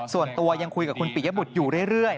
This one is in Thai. ส่วนตัวยังคุยกับคุณปิยบุตรอยู่เรื่อย